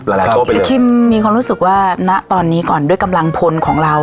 หลายโต๊ะไปเลยคือคิมมีความรู้สึกว่านะตอนนี้ก่อนด้วยกำลังพลของเรา